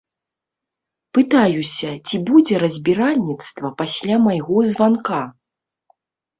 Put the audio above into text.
Пытаюся, ці будзе разбіральніцтва пасля майго званка.